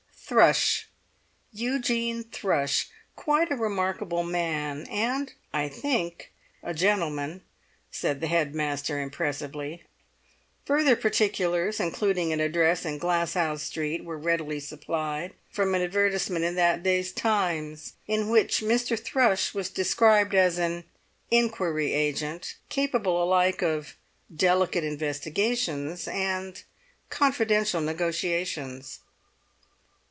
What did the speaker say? "Thrush—Eugene Thrush—quite a remarkable man, and, I think, a gentleman," said the head master impressively. Further particulars, including an address in Glasshouse Street, were readily supplied from an advertisement in that day's Times, in which Mr. Thrush was described as an "inquiry agent," capable alike of "delicate investigations" and "confidential negotiations."